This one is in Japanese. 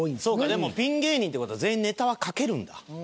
でもピン芸人って事は全員ネタは書けるんだ。